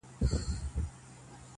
ستا په تصویر پسې اوس ټولي بُتکدې لټوم.